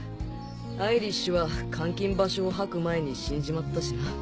アイリッシュは監禁場所を吐く前に死んじまったしな。